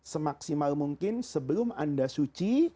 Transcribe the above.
semaksimal mungkin sebelum anda suci